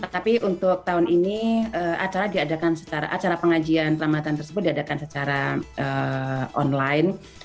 tapi untuk tahun ini acara pengajian ramadan tersebut diadakan secara online